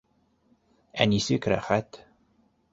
Ә нисек рәхәт